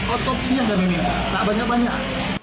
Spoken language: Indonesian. otopsi yang kami minta tak banyak banyak